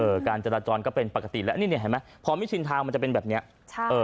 การจราจรก็เป็นปกติแล้วนี่เนี่ยเห็นไหมพอไม่ชินทางมันจะเป็นแบบเนี้ยใช่เอ่อ